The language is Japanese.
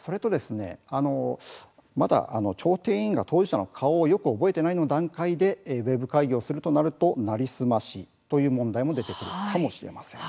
まだ調停委員が当事者の顔をよく覚えていないような段階でウェブ会議をするとなると成り済ましという問題も出てくるかもしれません。